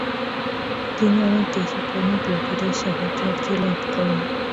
তিনি অনেক দেশপ্রেমিক লোকদের সাহচর্য লাভ করেন ।